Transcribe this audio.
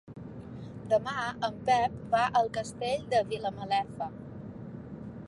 Demà en Pep va al Castell de Vilamalefa.